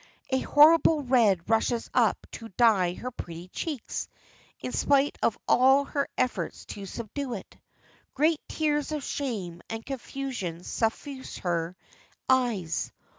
A horrible red rushes up to dye her pretty cheeks, in spite of all her efforts to subdue it. Great tears of shame and confusion suffuse her eyes.